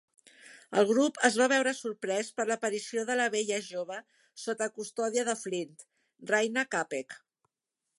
El grup es va veure sorprès per l'aparició de la bella jove sota custòdia de Flint, Rayna Kapec.